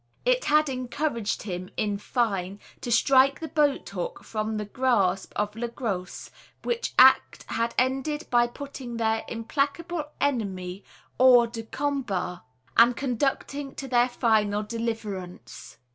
It had encouraged him, in fine, to strike the boat hook from the grasp of Le Gros, which act had ended by putting their implacable enemy hors du combat, and conducting to their final deliverance.